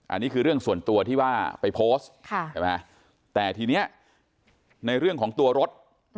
อันนี้คือเรื่องส่วนตัวที่ว่าไปโพสต์แต่ทีนี้ในเรื่องของตัวรถ